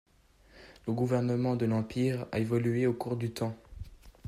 Le gouvernement de l'Empire a évolué au cours du temps.